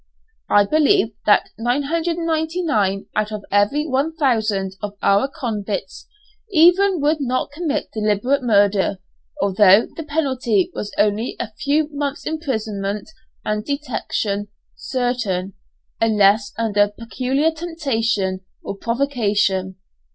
I believe that 999 out of every 1000 of our convicts even would not commit deliberate murder, although the penalty was only a few months' imprisonment and detection certain, unless under peculiar temptation or provocation.